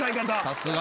さすが。